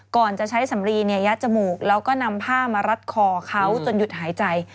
ก่อนจะใช้สำลียัดจมูกแล้วก็นำผ้ามารัดคอเขาจนหยุดหายใจ